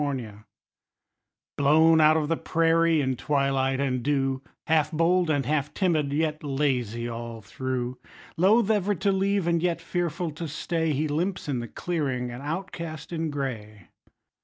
COYOTE Blown out of the prairie in twilight and dew, Half bold and half timid, yet lazy all through; Loath ever to leave, and yet fearful to stay, He limps in the clearing, an outcast in gray.